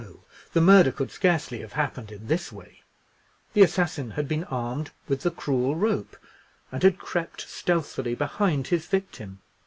the murder could scarcely have happened in this way. The assassin had been armed with the cruel rope, and had crept stealthily behind his victim.